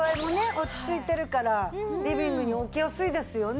落ち着いているからリビングに置きやすいですよね。